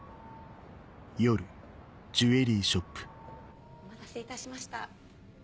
はぁお待たせいたしました。